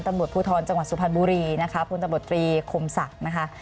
ตำรวจภูทรจังหวัดสุพรรณบุรีนะคะพลตำรวจตรีคมศักดิ์นะคะ